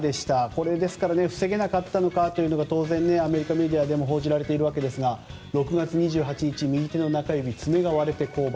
これ、ですから防げなかったのかというのが当然アメリカメディアでも報じられているわけですが６月２８日、右手中指の爪が割れて降板。